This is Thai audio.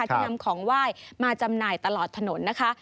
ที่นำของไหว้มาจำหน่ายตลอดถนนนะคะ